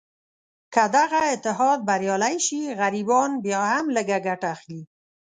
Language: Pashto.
که دغه اتحاد بریالی شي، غریبان بیا هم لږه ګټه اخلي.